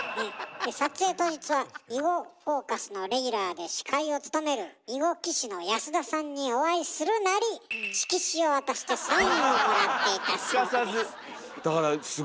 撮影当日は「囲碁フォーカス」のレギュラーで司会を務める囲碁棋士の安田さんにお会いするなり色紙を渡してサインをもらっていたそうです。